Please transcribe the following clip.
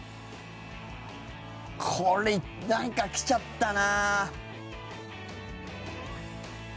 これ、なんか、来ちゃったな。